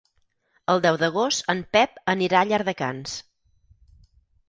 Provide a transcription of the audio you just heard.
El deu d'agost en Pep anirà a Llardecans.